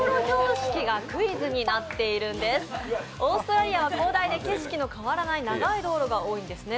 オーストラリアは景色が変わらない長い道路が多いんですね。